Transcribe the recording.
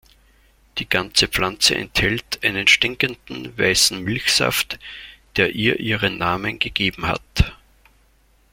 Die ganze Pflanze enthält einen stinkenden, weißen Milchsaft, der ihr ihren Namen gegeben hat.